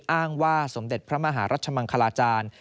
อ้างว่าสมเด็จพระมหารัชมังคลาจารย์